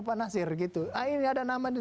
pak nasir gitu ah ini ada nama